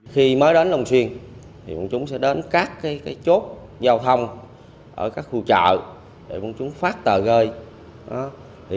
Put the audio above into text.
khi mới đến lòng xuyên chúng sẽ đến các chốt giao thông ở các khu chợ để chúng phát tờ gây